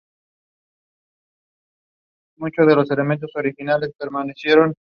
He was cut by the Jaguars at the end of training camp.